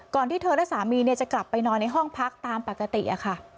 ที่เธอและสามีจะกลับไปนอนในห้องพักตามปกติค่ะ